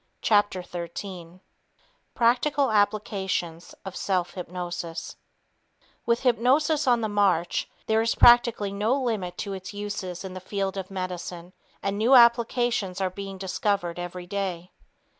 Chapter 13 Practical Applications of Self Hypnosis With hypnosis on the march, there is practically no limit to its uses in the field of medicine, and new applications are being discovered every day.